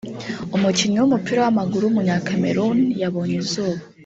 umukinnyi w’umupira w’amaguru w’umunyakameruni yabonye izuba